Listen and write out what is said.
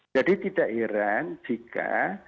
jadi tidak heran jika